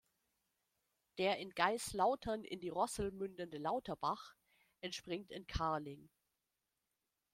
Der in Geislautern in die Rossel mündende Lauterbach entspringt in Carling.